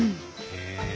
へえ。